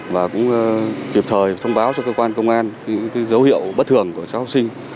và cũng kịp thời thông báo cho cơ quan công an những dấu hiệu bất thường của cháu học sinh